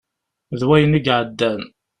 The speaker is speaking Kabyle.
D wayen i iɛeddan.